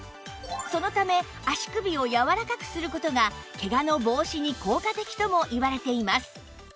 そのため足首をやわらかくする事がケガの防止に効果的ともいわれています